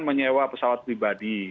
menyewa pesawat pribadi